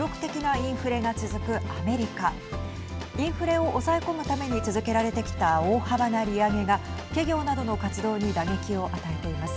インフレを抑え込むために続けられてきた大幅な利上げが企業などの活動に打撃を与えています。